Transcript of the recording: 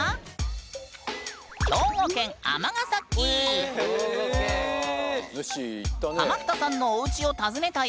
続いてハマったさんのおうちを訪ねたよ！